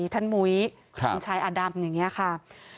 ท่านมุ้ยท่านชายอดัมอย่างนี้ค่ะครับ